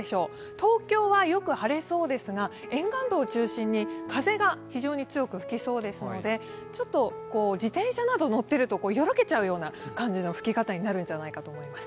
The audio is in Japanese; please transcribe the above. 東京はよく晴れそうですが、沿岸部を中心に風が非常に強く吹きそうですのでちょっと自転車など乗っているとよろけちゃうような風の吹き方になるんじゃないかと思います。